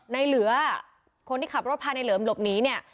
เหลือคนที่ขับรถพาในเหลิมหลบหนีเนี่ย